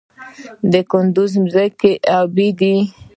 د کندز ځمکې ابي دي